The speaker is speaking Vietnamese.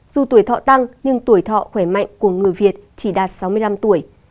dù tuổi thọ tăng nhưng tuổi thọ khỏe mạnh của người việt chỉ đạt sáu mươi năm tuổi